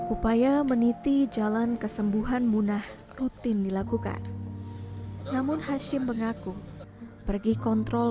upaya meniti jalan kesembuhan munah rutin dilakukan namun hashim mengaku pergi kontrol